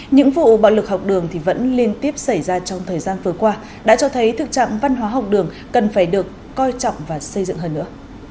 những vụ bạo lực học đường vẫn liên tiếp xảy ra trong thời gian vừa qua đã cho thấy thực trạng văn hóa học đường cần phải được coi trọng và xây dựng hơn nữa